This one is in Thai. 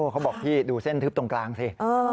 เขาบอกพี่ดูเส้นทึบตรงกลางสิ